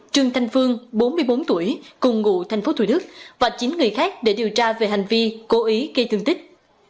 trương thanh phương bốn mươi bốn tuổi cùng ngụ tp thủ đức và chín người khác để điều tra về hành vi cố ý gây thương tích